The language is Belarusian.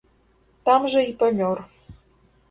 Там жа і памёр.